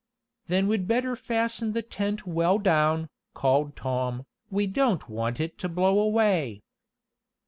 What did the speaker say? "Then we'd better fasten the tent well down," called Tom. "We don't want it to blow away."